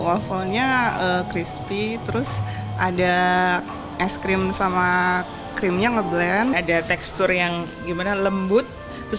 waffle nya crispy terus ada es krim sama krimnya ngeblend ada tekstur yang gimana lembut terus